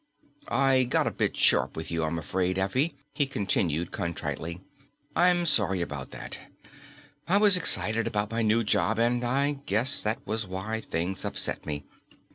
"I got a bit sharp with you, I'm afraid, Effie," he continued contritely. "I'm sorry about that. I was excited about my new job and I guess that was why things upset me.